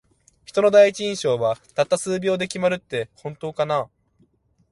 人の第一印象は、たった数秒で決まるって本当かな。